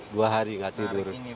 dua hari nggak tidur